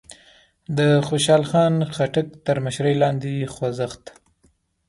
د خوشال خان خټک تر مشرۍ لاندې خوځښت